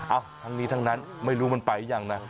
ทั้งนี้ทั้งนั้นไม่รู้มันไปหรือยังนะ